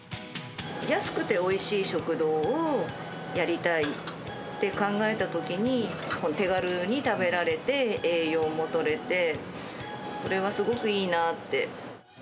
安くておいしい食堂をやりたいって考えたときに、手軽に食べられて、栄養もとれて、これはすごくいいなって。